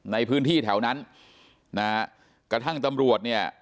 ในพื้นที่แถวนั้นนะฮะกระทั่งตำรวจเนี่ย